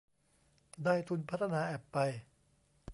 ได้ทุนพัฒนาแอปไป